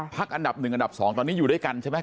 พักอันดับหนึ่งอันดับสองตอนนี้อยู่ด้วยกันใช่ไหม